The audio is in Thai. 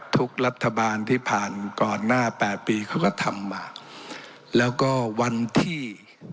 ทุกรัฐบาลที่ผ่านก่อนหน้าแปดปีเขาก็ทำมาแล้วก็วันที่